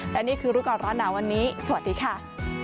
และนี่คือรู้ก่อนร้อนหนาวันนี้สวัสดีค่ะ